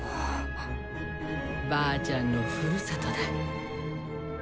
ばあちゃんのふるさとだ。